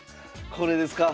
これですか？